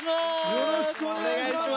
よろしくお願いします。